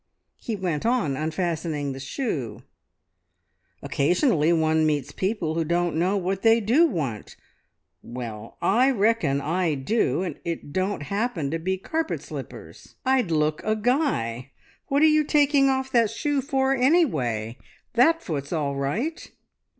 "He went on unfastening the shoe. "Occasionally one meets people who don't know what they do want! "`Well, I reckon I do. And it don't happen to be carpet slippers. I'd look a guy. What are you taking off that shoe for anyway? That foot's all right!'